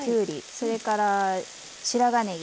それから白髪ねぎ。